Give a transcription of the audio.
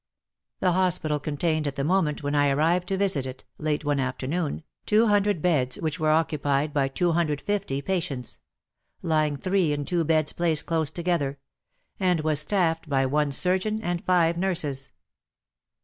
The hospital contained at the moment when I arrived to visit it, late one after noon, 200 beds which were occupied by 250 patients — lying three in two beds placed close together — and was staffed by one surgeon and five nurses.